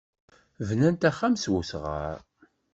Bnant axxam s wesɣar.